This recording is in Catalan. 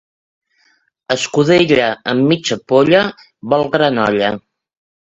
Escudella amb mitja polla vol gran olla.